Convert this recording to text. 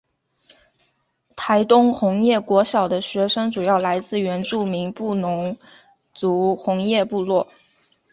台东红叶国小的学生主要来自原住民布农族红叶部落。